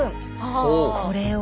これを。